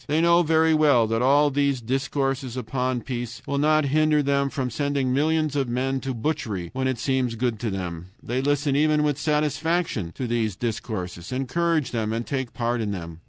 They know very well that all these discourses upon peace will not hinder them from sending millions of men to butchery when it seems good to them. They listen even with satisfaction to these discourses, encourage them, and take part in them.